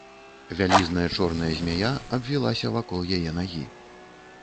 Вялізная чорная змяя абвілася вакол яе нагі.